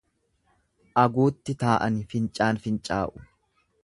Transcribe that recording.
Aguutti taa'ani fincaan fincaa'u.